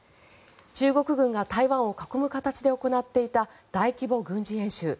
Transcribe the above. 中国軍が台湾を囲む形で行っていた大規模軍事演習。